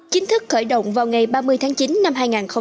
chính thức khởi động vào ngày ba mươi tháng chín năm hai nghìn một mươi chín